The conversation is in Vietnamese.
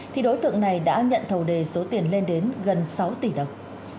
thì đối tượng này đã nhận thầu đề số tiền lên đến gần sáu tỷ đồng